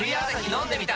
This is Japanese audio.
飲んでみた！